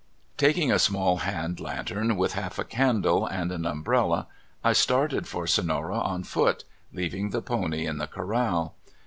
Taking a small hand lantern with half a candle, and an umbrella, I started for Sonora on foot, leav ing the pony in the corral.